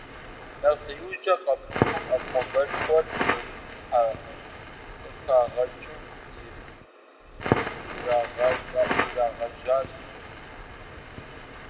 Нэхъ иужькӏэ къэп цӏыкӏум ӏэпхъуамбэшхуэр зэрыплъхьэ къыхагъэкӏыу ирагъэжьащ.